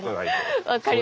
分かりました。